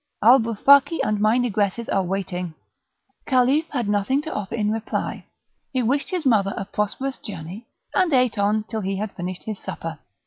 Alboufaki and my negresses are waiting." The Caliph had nothing to offer in reply; he wished his mother a prosperous journey, and ate on till he had finished his supper.